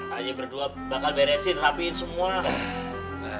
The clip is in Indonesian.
kak aja berdua bakal beresin rapihin semua